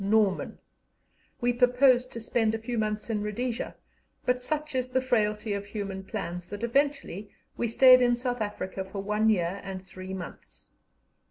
Norman. We purposed to spend a few months in Rhodesia, but such is the frailty of human plans that eventually we stayed in South Africa for one year and three months.